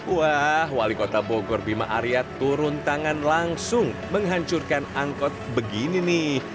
wah wali kota bogor bima arya turun tangan langsung menghancurkan angkot begini nih